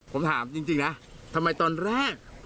ผมถามจริงนะทำไมตอนแรก